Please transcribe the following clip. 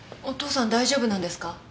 お父さん大丈夫なんですか？